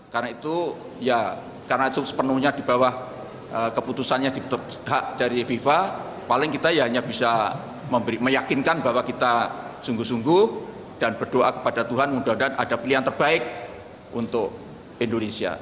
karena itu ya karena sepenuhnya di bawah keputusannya diketuk hak dari fifa paling kita hanya bisa meyakinkan bahwa kita sungguh sungguh dan berdoa kepada tuhan mudah mudahan ada pilihan terbaik untuk indonesia